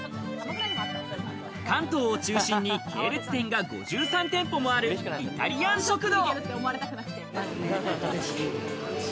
関東を中心に系列店が５３店舗もあるイタリアン食堂。